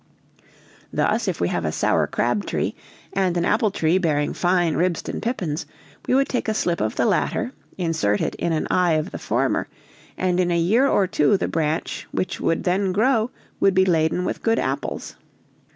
Thus, if we have a sour crab tree, and an apple tree bearing fine ribston pippins, we would take a slip of the latter, insert it in an eye of the former, and in a year or two the branch which would then grow would be laden with good apples."